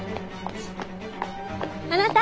あなた。